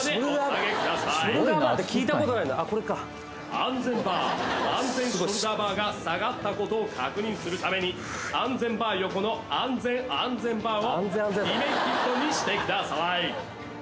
安全ショルダーバーが下がった事を確認するために安全バー横の安全安全バーをディメイティッドにしてください。